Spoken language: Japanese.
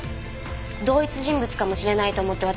同一人物かもしれないと思って私。